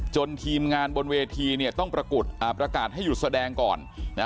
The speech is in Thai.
ทีมงานบนเวทีเนี่ยต้องปรากฏอ่าประกาศให้หยุดแสดงก่อนนะ